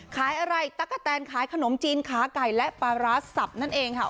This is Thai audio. ขายอะไรตั๊กกะแตนขายขนมจีนขาไก่และปลาร้าสับนั่นเองค่ะ